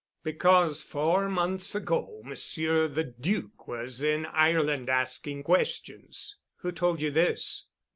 "Because four months ago Monsieur the Duc was in Ireland asking questions." "Who told you this?"